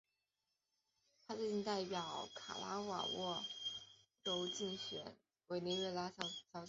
她最近代表卡拉沃沃州竞选委内瑞拉小姐。